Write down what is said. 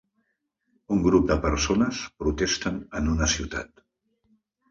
Un grup de persones protesten en una ciutat.